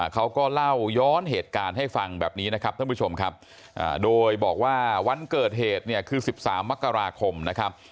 เขาก็เล่าย้อนเหตุการณ์ให้ฟังแบบนี้นะครับท่านผู้ชมครับโดยบอกว่าวันเกิดเหตุเนี่ยคือ๑๓มกราคมนะครับ